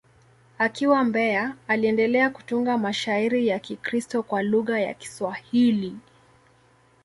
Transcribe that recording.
Akiwa Mbeya, aliendelea kutunga mashairi ya Kikristo kwa lugha ya Kiswahili.